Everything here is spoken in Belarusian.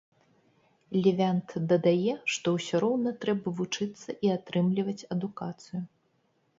Лівянт дадае, што ўсё роўна трэба вучыцца і атрымліваць адукацыю.